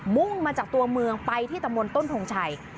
มุ่งมาจากตัวเมืองไปที่ตะมนต้นทงชัย